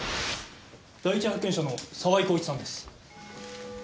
第一発見者の澤井弘一さんです。